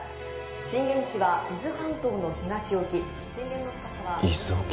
震源地は伊豆半島の東沖震源の深さは伊豆沖？